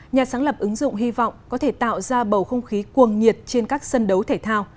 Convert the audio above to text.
nhà sáng lập ứng dụng hy vọng có thể tạo ra bầu không khí cuồng nhiệt trên các sân đấu thể thao